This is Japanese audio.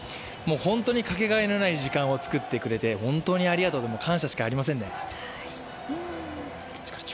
本当にかけがえのない時間を作ってくれてありがとうと、感謝しかありませんね。